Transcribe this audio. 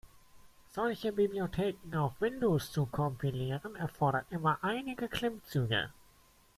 Solche Bibliotheken auf Windows zu kompilieren erfordert immer einige Klimmzüge.